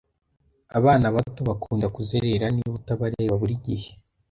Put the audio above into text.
Abana bato bakunda kuzerera niba utabareba buri gihe.